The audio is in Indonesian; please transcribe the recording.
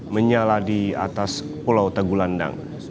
menyala di atas pulau tegulandang